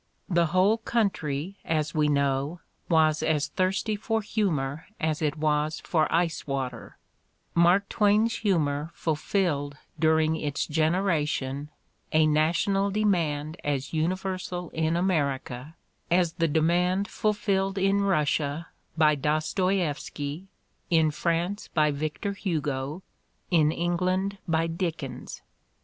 The whole country, as we know, was as thirsty for humor as it was for ice water: Mark Twain's humor fulfilled dur ing its generation a national demand as universal in America as the demand fulfilled in Russia by Dostoiev ski, in France by Victor Hugo, in England by Dickens.